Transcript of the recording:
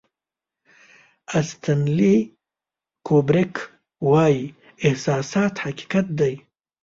استنلي کوبریک وایي احساسات حقیقت دی.